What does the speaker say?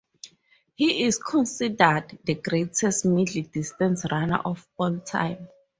He is considered the greatest middle-distance runner of all time.